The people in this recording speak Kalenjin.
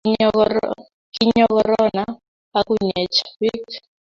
kinyo korona akunyech biik